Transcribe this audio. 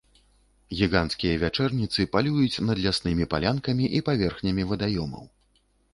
Гіганцкія вячэрніцы палююць над ляснымі палянкамі і паверхнямі вадаёмаў.